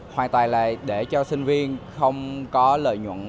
hoàn toàn để cho sinh viên không có lợi nhuận